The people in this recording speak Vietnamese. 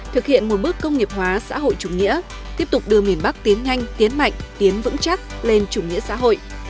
thực hiện một bước công nghiệp hóa xã hội chủ nghĩa tiếp tục đưa miền bắc tiến nhanh tiến mạnh tiến vững chắc lên chủ nghĩa xã hội